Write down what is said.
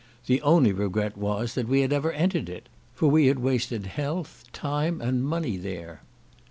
The only regret was, that we had ever entered it; for we had wasted health, time, and money there.